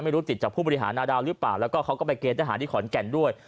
ติดจากผู้บริหารนาดาวหรือเปล่าแล้วก็เขาก็ไปเกณฑหารที่ขอนแก่นด้วย